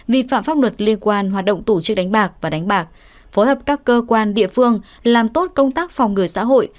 vi phạm pháp luật liên quan hoạt động tổ chức đánh bạc và đánh bạc phối hợp các cơ quan địa phương làm tốt công tác phòng ngừa xã hội